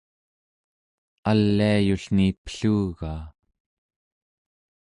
aliayullni pellugaa